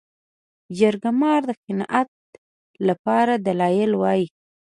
جرګه مار د قناعت لپاره دلایل وايي